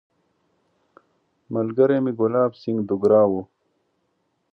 ملګری مې ګلاب سینګهه دوګرا وو.